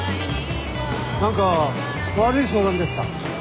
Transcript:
何か悪い相談ですか？